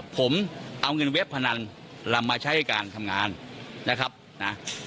ผมเอาเงินเว็บพนันลำมาใช้ให้การทำงาน